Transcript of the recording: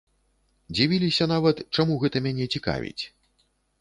Дзівіліся нават, чаму гэта мяне цікавіць.